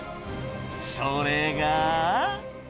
それが。